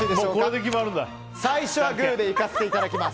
最初はグーで行かせていただきます。